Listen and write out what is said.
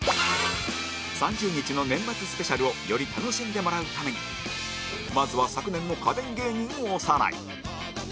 ３０日の年末スペシャルをより楽しんでもらうためにまずは昨年の家電芸人をおさらい